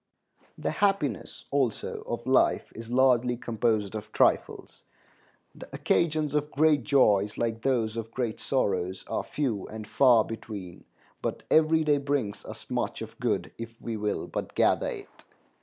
The happiness, also, of life is largely composed of trifles. The occasions of great joys, like those of great sorrows, are few and far between, but every day brings us much of good if we will but gather it.